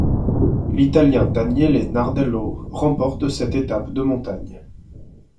L'Italien Daniele Nardello remporte cette étape de montagne.